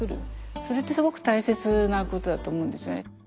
それってすごく大切なことだと思うんですよね。